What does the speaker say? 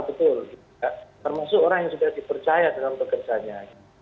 termasuk orang yang sudah dipercaya dengan pekerjanya